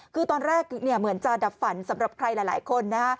คือตอนแรกเหมือนจะดับฝันสำหรับใครหลายคนนะฮะ